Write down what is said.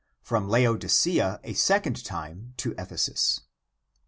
FROM LAODICEA A SECOND TIME TO EPHESUS.